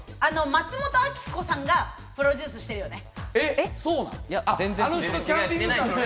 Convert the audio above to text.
松本明子さんがプロデュースしてるよね。